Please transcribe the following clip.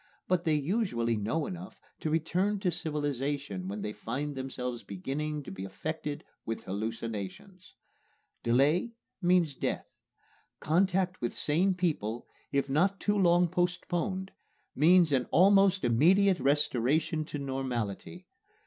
But they usually know enough to return to civilization when they find themselves beginning to be affected with hallucinations. Delay means death. Contact with sane people, if not too long postponed, means an almost immediate restoration to normality.